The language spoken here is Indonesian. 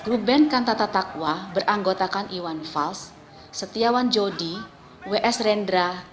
grup band kantata takwa beranggotakan iwan fals setiawan jodi ws rendra